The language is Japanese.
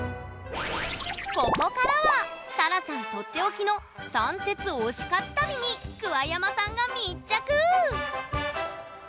ここからはさらさんとっておきの三鉄推し活旅に桑山さんが密着！